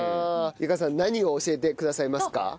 由佳さん何を教えてくださいますか？